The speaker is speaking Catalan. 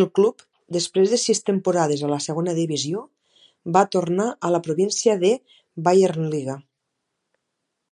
El Club, després de sis temporades a la segona divisió, va tornar a la província de Bayernliga.